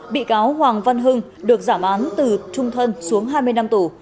bị cáo hoàng văn hưng được giảm án từ trung thân xuống hai mươi năm tù